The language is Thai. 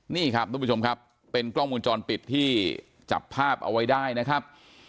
นี่ครับทุกผู้ชมครับเป็นกล้องวงจรปิดที่จับภาพเอาไว้ได้นะครับ